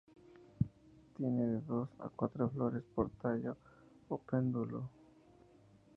Tiene de dos a cuatro flores por tallo o pedúnculo.